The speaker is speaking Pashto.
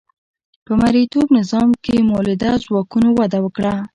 په مرئیتوب نظام کې مؤلده ځواکونو وده وکړه.